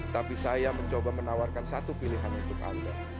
tapi saya mencoba menawarkan satu pilihan untuk anda